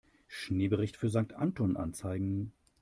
Schneebericht für Sankt Anton anzeigen.